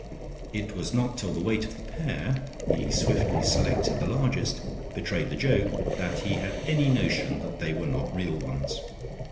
It was not till the weight of the pear (he swiftly selected the largest) betrayed the joke that he had any notion that they were not real ones.